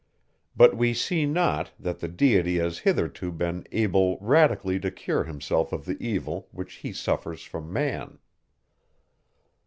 But we see not, that the Deity has hitherto been able radically to cure himself of the evil, which he suffers from man.